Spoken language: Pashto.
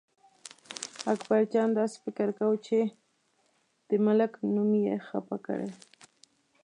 اکبرجان داسې فکر کاوه چې د ملک نوم یې خپه کړی.